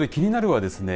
はですね